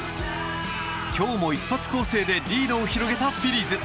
今日も一発攻勢でリードを広げたフィリーズ。